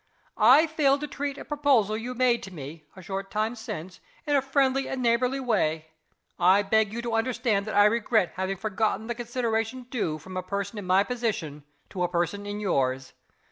I failed to treat a proposal you made to me, a short time since, in a friendly and neighborly way. I beg you to understand that I regret having forgotten the consideration due from a person in my position to a person in yours.